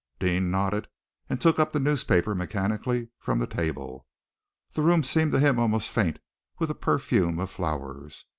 Deane nodded, and took up the newspaper mechanically from the table. The room seemed to him almost faint with the perfume of flowers.